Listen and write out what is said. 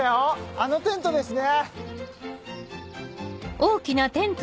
あのテントですね。